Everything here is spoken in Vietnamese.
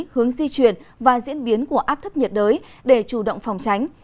hướng di chuyển và diễn biến của áp thấp nhiệt đới để chủ động phòng tránh